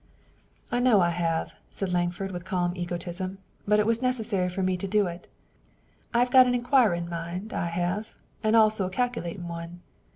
"I reckon I have," said Lankford with calm egotism, "but it was necessary for me to do it. I've got an inquirin' mind, I have, and also a calculatin' one.